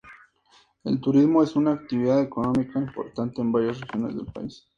El turismo es una actividad económica importante en varias regiones del país.